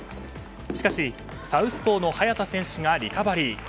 しかし、サウスポーの早田選手がリカバリー。